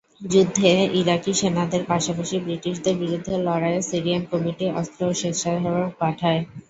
যুদ্ধে ইরাকি সেনাদের পাশাপাশি ব্রিটিশদের বিরুদ্ধে লড়াইয়ের সিরিয়ান কমিটি অস্ত্র ও স্বেচ্ছাসেবক পাঠায়।